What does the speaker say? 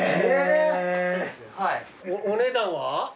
お値段は？